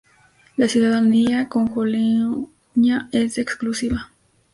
La ciudadanía congoleña es exclusiva.